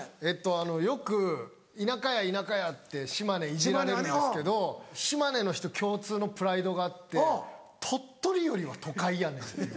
あのよく「田舎や田舎や」って島根いじられるんですけど島根の人共通のプライドがあって鳥取よりは都会やねんっていう。